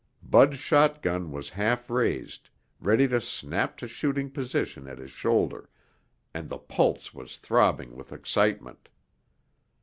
Bud's shotgun was half raised, ready to snap to shooting position at his shoulder, and his pulse was throbbing with excitement.